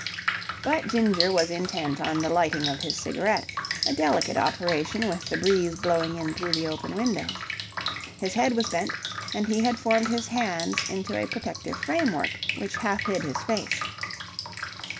But Ginger was intent on the lighting of his cigarette, a delicate operation with the breeze blowing in through the open window. His head was bent, and he had formed his hands into a protective framework which half hid his face.